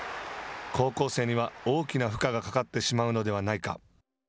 高校生には大きな負荷がかかってしまうのではないか。